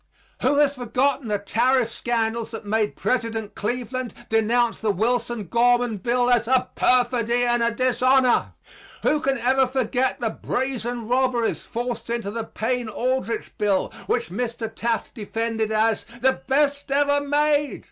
Who has forgotten the tariff scandals that made President Cleveland denounce the Wilson Gorman bill as "a perfidy and a dishonor?" Who ever can forget the brazen robberies forced into the Payne Aldrich bill which Mr. Taft defended as "the best ever made?"